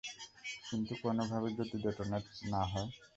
কিন্তু কোনোভাবে যদি ডেটোনেট না হয়?